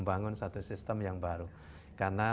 juga untuk bisa punya cabang